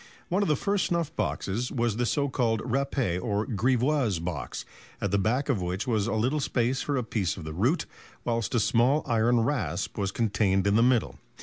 One of the first snuff boxes was the so called râpé or grivoise box, at the back of which was a little space for a piece of the root, whilst a small iron rasp was contained in the middle.